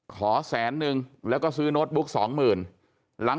ขอแสนหนึ่งแล้วก็ซื้อโน้ตบุ๊กสองหมื่น